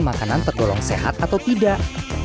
makanan tergolong sehat atau tidak